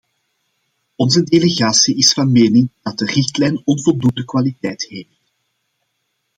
Onze delegatie is van mening dat de richtlijn onvoldoende kwaliteit heeft.